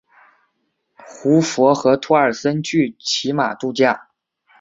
胡佛和托尔森去骑马度假。